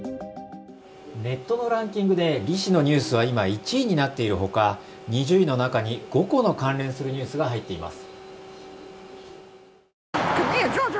ネットのランキングでリ氏のニュースは今１位になっているほか２０位の中に５個の関連するニュースが入っています。